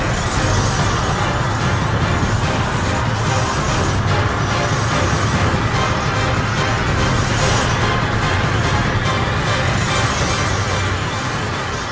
kau tidak akan menangkapku